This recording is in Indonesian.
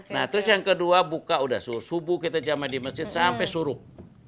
nah terus yang kedua buka udah subuh kita jamah di masjid sampai suruh